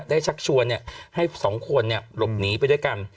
ได้ชักชวนเนี่ยให้สองคนเนี่ยหลบหนีไปด้วยกัน